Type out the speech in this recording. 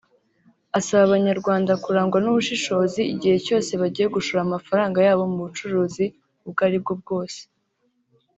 asaba Abanyarwanda kurangwa n’ubushishozi igihe cyose bagiye gushora amafaranga yabo mu bucuruzi ubwo aribwo bwose